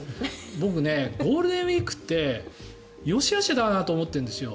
僕、ゴールデンウィークってよしあしだなと思ってるんですよ。